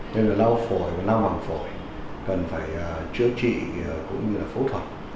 nên là lao phổi và lao bằng phổi cần phải chữa trị cũng như là phẫu thuật